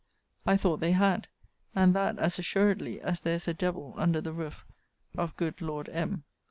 I thought they had; and that as assuredly as there is a devil under the roof of good Lord M.